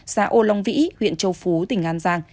xã âu long vĩ huyện châu phú tỉnh an giang